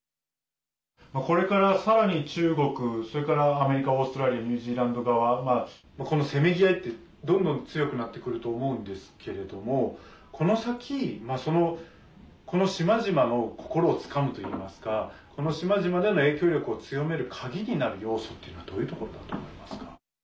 これから、さらに中国アメリカ、オーストラリアニュージーランド側このせめぎ合いってどんどん強くなってくると思うんですけれどもこの先、島々の心をつかむといいますかこの島々での影響力を強める鍵になる要素っていうのはどういうところだと思いますか？